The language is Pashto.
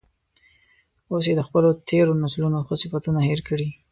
اوس یې د خپلو تیرو نسلونو ښه صفتونه هیر کړي.